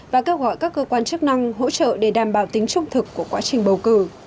và kêu gọi các cơ quan chức năng hỗ trợ để đảm bảo tính trung thực của quá trình bầu cử